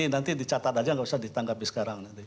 nanti dicatat aja gak usah ditangkapi sekarang